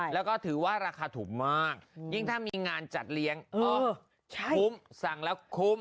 แล้วก็ถือว่าราคาถูกมากยิ่งถ้ามีงานจัดเลี้ยงคุ้มสั่งแล้วคุ้ม